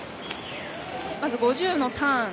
まず５０のターン。